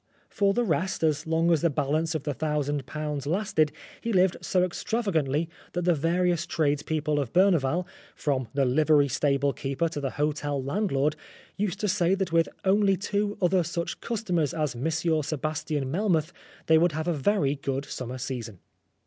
For the rest, as long as the balance of the thousand pounds lasted, he lived so extravagantly that the various tradespeople of Berneval, from the livery stable keeper to the hotel landlord, used to say that with only two other such customers as Monsieur Sebastian Melmoth they would have a very good summer season.